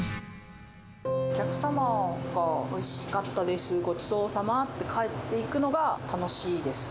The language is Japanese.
お客様がおいしかったです、ごちそうさまって帰っていくのが楽しいです。